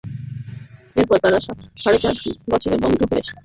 এরপর তারা সাড়ে চার বছরে বন্ধন থেকে সাত কোটি টাকা লুট করেছে।